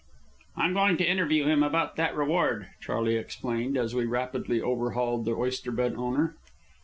"I'm going to interview him about that reward," Charley explained, as we rapidly overhauled the oyster bed owner.